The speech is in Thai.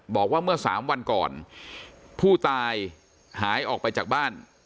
บอกว่าเมื่อสามวันก่อนผู้ตายหายออกไปจากบ้าน